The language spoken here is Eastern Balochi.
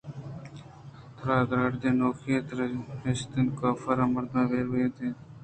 ترّ ءُگرد کنوکاں ادا جاگہ نیست کاف ءَرا مردک ءِ بے ریائی ءَ گپ دوست بوت پدا دمانے ءِ واب کپگ ءَ آئی ءِ دمبرگ ہم شتگ اَت